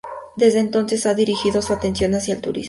Desde entonces, ha dirigido su atención hacia el turismo.